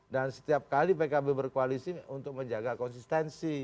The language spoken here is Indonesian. dan setiap kali pkb berkoalisi untuk menjaga konsistensi